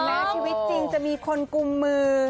แม้ชีวิตจริงจะมีคนกุมมือ